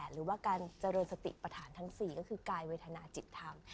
หรือว่าการเจริญสติประธานทั้ง๔ก็คือกายเวทนาจิตธรรม